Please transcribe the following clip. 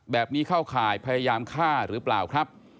แบบนี้เข้าข่ายพยายามฆ่าหรือเปล่าครับ